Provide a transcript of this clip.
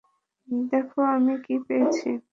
দেখ আমি কি পেয়েছি।